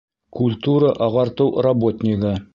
Культура-ағартыу работнигы.